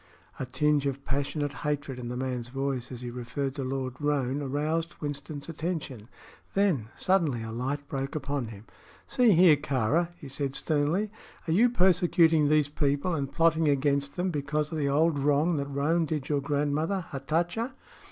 A tinge of passionate hatred in the man's voice as he referred to Lord Roane aroused Winston's attention. Then, suddenly, a light broke upon him. "See here, Kāra," he said, sternly, "are you persecuting these people and plotting against them because of the old wrong that Roane did your grandmother, Hatatcha?"